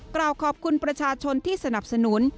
กล่าวขอบคุณประชาชนที่สนับสนุน